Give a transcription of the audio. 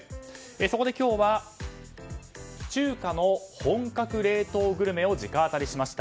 そこで今日は中華の本格冷凍グルメを直アタリしました。